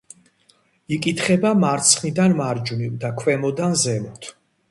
იკითხება მარცხნიდან მარჯვნივ და ქვემოდან ზემოთ.